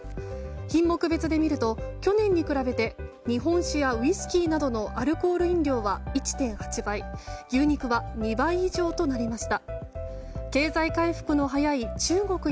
品目別で見ると去年に比べて日本酒やウイスキーなどのアルコール飲料は１．８倍牛肉は２倍以上となりました。